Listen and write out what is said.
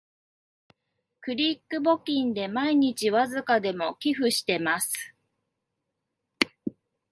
クリック募金で毎日わずかでも寄付してます